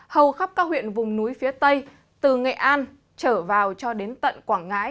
hầu khắp các huyện vùng núi phía tây từ nghệ an trở vào cho đến tận quảng ngãi